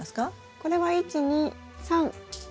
これは１２３。